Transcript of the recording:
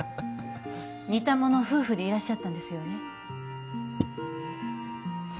似た者夫婦でいらっしゃったんですよね